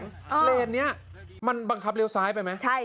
เลนนี้มันบังคับเลี้ยซ้ายไปไหม